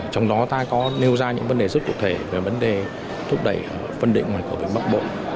trong đó ta có nêu ra những vấn đề rất cụ thể về vấn đề thúc đẩy phân định ngoài cầu vĩnh bắc bộ